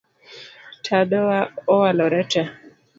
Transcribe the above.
Tadowa owalore tee